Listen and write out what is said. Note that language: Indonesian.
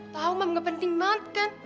tau mam gak penting banget kan